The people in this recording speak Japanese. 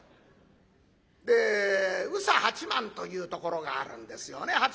で宇佐八幡というところがあるんですよね。